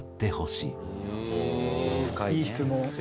いい質問。